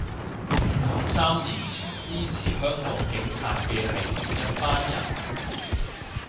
同三年前支持香港警察嘅係同一班人